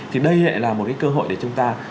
thì đây lại là một cái cơ hội để chúng ta suy nghĩ lại